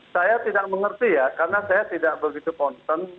saya tidak mengerti ya karena saya tidak begitu konsen